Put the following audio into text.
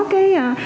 cái lệnh kiểm toán